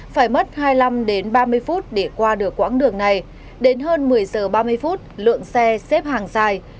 phải mất hai mươi năm đến ba mươi phút để qua được quãng đường này đến hơn một mươi giờ ba mươi phút lượng xe xếp hàng dài